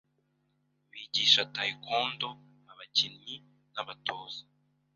bigisha Taekwondo abakinnyi n’abatoza